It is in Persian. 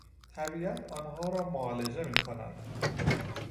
طبیعت آنها را معالجه می کند